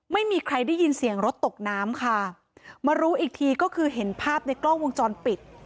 ไม่มีใครได้ยินเสียงรถตกน้ำค่ะมารู้อีกทีก็คือเห็นภาพในกล้องวงจรปิด